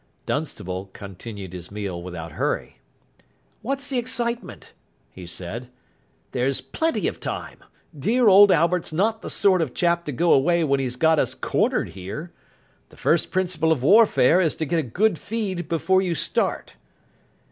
Dunstable continued his meal without hurry. "What's the excitement?" he said. "There's plenty of time. Dear old Albert's not the sort of chap to go away when he's got us cornered here. The first principle of warfare is to get a good feed before you start."